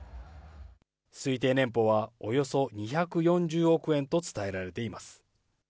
推定年俸は、およそ２４０億円と伝えられています。